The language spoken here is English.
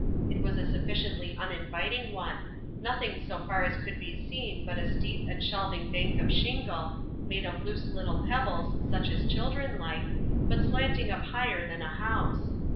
It was a sufficiently uninviting one; nothing so far as could be seen but a steep and shelving bank of shingle, made of loose little pebbles such as children like, but slanting up higher than a house.